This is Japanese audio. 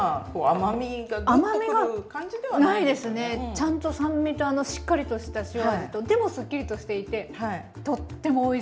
ちゃんと酸味としっかりとした塩味とでもすっきりとしていてとってもおいしい。